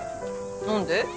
何で？